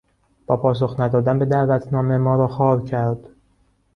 با پاسخ ندادن به دعوتنامه ما را خوار کرد.